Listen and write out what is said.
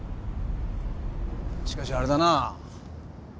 しかしあれだなぁ。